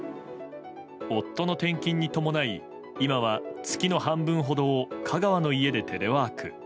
夫の転勤に伴い今は月の半分ほどを香川の家でテレワーク。